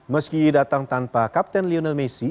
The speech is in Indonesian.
meski datang tanpa kapten lionel messi